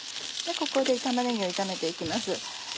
ここで玉ねぎを炒めて行きます。